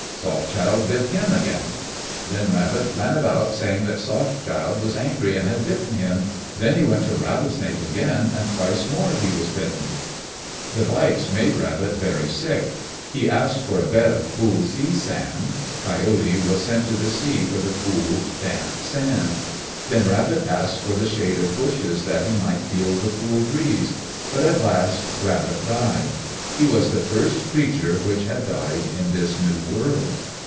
Soft Child bit him again. Then Rabbit ran about saying that Soft Child was angry and had bitten him. Then he went to Rattlesnake again, and twice more he was bitten. The bites made Rabbit very sick. He asked for a bed of cool sea sand. Coyote was sent to the sea for the cool, damp sand. Then Rabbit asked for the shade of bushes that he might feel the cool breeze. But at last Rabbit died. He was the first creature which had died in this new world.